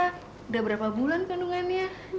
sudah berapa bulan pendungannya